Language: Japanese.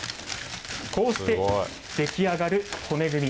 こうして出来上がる骨組み。